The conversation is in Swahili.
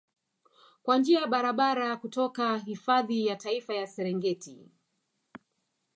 kwa njia ya barabara kutoka hifadhi ya Taifa ya Serengeti